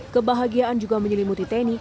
kebahagiaan juga menyelimuti teni